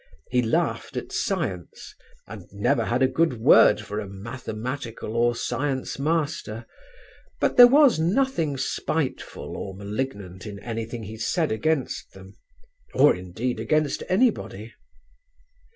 He laughed at science and never had a good word for a mathematical or science master, but there was nothing spiteful or malignant in anything he said against them; or indeed against anybody.